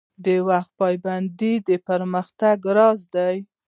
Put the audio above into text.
د وخت پابندي د پرمختګ راز دی